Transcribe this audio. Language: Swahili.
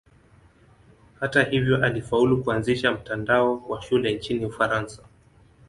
Hata hivyo alifaulu kuanzisha mtandao wa shule nchini Ufaransa.